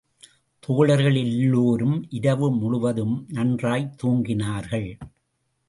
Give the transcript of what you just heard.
தோழர்கள் எல்லோரும் இரவு முழுவதும் நன்றாகத் தூங்கினார்கள்.